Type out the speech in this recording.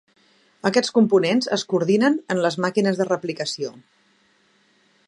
Aquests components es coordinen en les màquines de replicació.